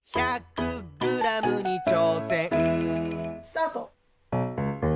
・スタート！